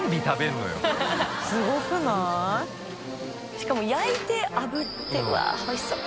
しかも焼いてあぶってうわっおいしそう。